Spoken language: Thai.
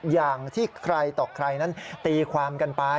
อย่างที่ใครต่อใครนั้นตีความกันไป